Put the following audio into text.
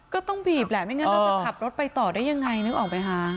ก็ต้องบีบแหละไม่งั้นเราจะขับรถไปต่อได้ยังไงนึกออกไหมคะ